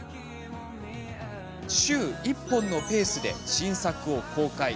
週に１本のペースで新作を公開